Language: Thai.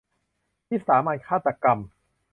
วิสามัญฆาตกรรม